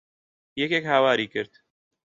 یەکێک هاواری کرد.